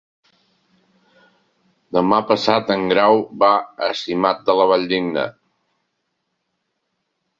Demà passat en Grau va a Simat de la Valldigna.